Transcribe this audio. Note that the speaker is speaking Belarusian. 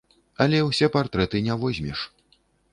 Але ўсе партрэты не возьмеш.